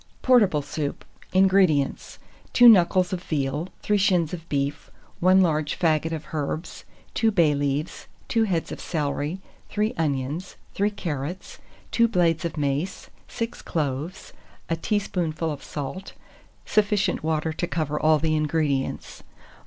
PORTABLE SOUP. 180. INGREDIENTS. 2 knuckles of veal, 3 shins of beef, 1 large faggot of herbs, 2 bay leaves, 2 heads of celery, 3 onions, 3 carrots, 2 blades of mace, 6 cloves, a teaspoonful of salt, sufficient water to cover all the ingredients.